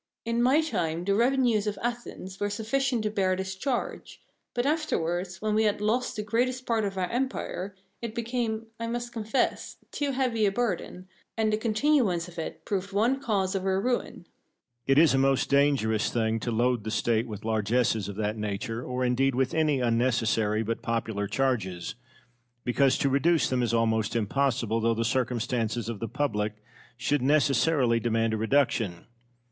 In my time the revenues of Athens were sufficient to bear this charge; but afterwards, when we had lost the greatest part of our empire, it became, I must confess, too heavy a burden, and the continuance of it proved one cause of our ruin. Cosmo. It is a most dangerous thing to load the State with largesses of that nature, or indeed with any unnecessary but popular charges, because to reduce them is almost impossible, though the circumstances of the public should necessarily demand a reduction.